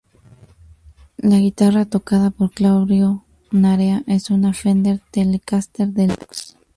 La guitarra tocada por Claudio Narea es una Fender Telecaster Deluxe.